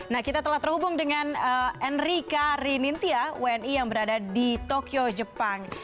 nah kita telah terhubung dengan enrika rinintia wni yang berada di tokyo jepang